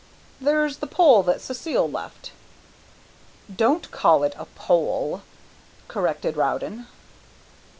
"There's the pole that Cécile left " "Don't call it a pole," corrected Rowden.